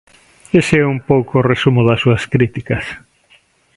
Ese é un pouco o resumo das súas críticas.